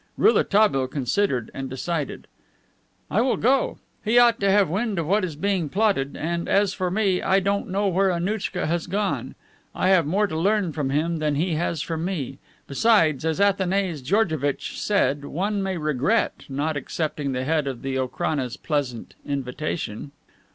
Rouletabille considered, and decided: "I will go. He ought to have wind of what is being plotted, and as for me, I don't know where Annouchka has gone. I have more to learn from him than he has from me. Besides, as Athanase Georgevitch said, one may regret not accepting the Head of the Okrana's pleasant invitation."